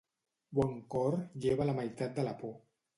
Bon cor lleva la meitat de la por.